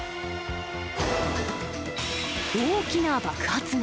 大きな爆発が。